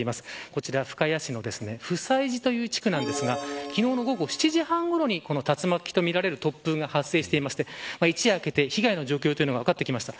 こちら、深谷市の普済寺という地区なんですが昨日の午後７時半ごろに竜巻とみられる突風が発生していて一夜明けて被害の状況が分かってきました。